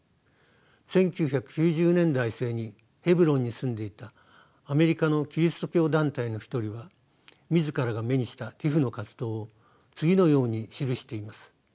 １９９０年代末にヘブロンに住んでいたアメリカのキリスト教団体の一人は自らが目にしたＴＩＰＨの活動を次のように記しています。